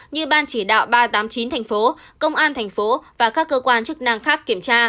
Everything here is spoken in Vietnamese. như ban chỉ đạo ba trăm tám mươi chín tp công an tp và các cơ quan chức năng khác kiểm tra